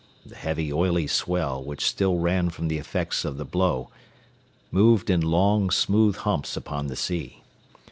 The heavy, oily swell, which still ran from the effects of the blow, moved in long, smooth humps upon the sea.